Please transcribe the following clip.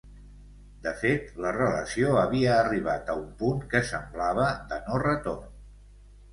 De fet, la relació havia arribat a un punt que semblava de no-retorn.